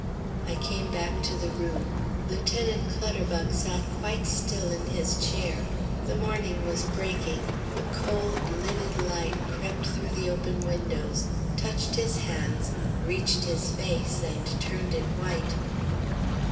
I came back to the room. Lieutenant Clutterbuck sat quite still in his chair. The morning was breaking; a cold livid light crept through the open windows, touched his hands, reached his face and turned it white.